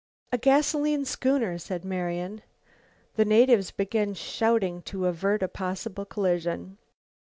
"A gasoline schooner," said Marian. The natives began shouting to avert a possible collision.